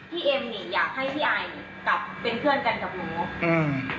พี่เอ็มอยากให้พี่อายกลับเป็นเพื่อนกันกับหนู